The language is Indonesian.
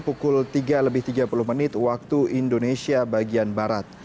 pukul tiga tiga puluh waktu indonesia bagian barat